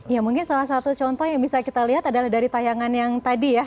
ya mungkin salah satu contoh yang bisa kita lihat adalah dari tayangan yang tadi ya